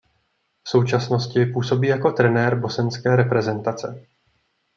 V současnosti působí jako trenér bosenské reprezentace.